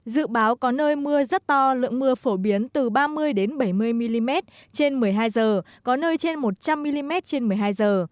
dự báo có nơi mưa rất to lượng mưa phổ biến từ ba mươi bảy mươi mm trên một mươi hai giờ có nơi trên một trăm linh mm trên một mươi hai giờ